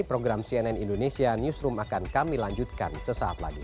program cnn indonesia newsroom akan kami lanjutkan sesaat lagi